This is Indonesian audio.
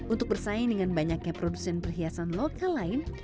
untuk bersaing dengan banyaknya produsen perhiasan lokal lain